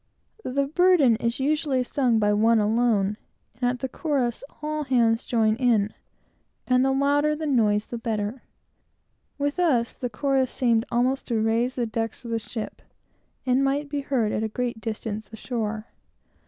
The burden is usually sung, by one alone, and, at the chorus, all hands join in, and the louder the noise, the better. With us, the chorus seemed almost to raise the decks of the ship, and might be heard at a great distance, ashore.